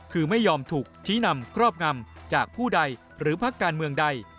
คือไม่ยอมถูกชี้นำครอบงำจากผู้ใดหรือพักการเมืองใด